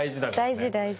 大事大事。